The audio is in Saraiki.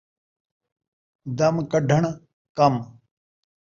دم ، کڈھݨ کم